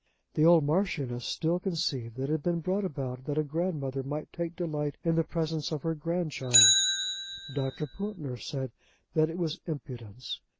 The old Marchioness still conceived that it had been brought about that a grandmother might take delight in the presence of her grandchild. Dr. Pountner said that it was impudence.